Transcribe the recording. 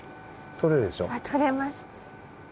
とれます。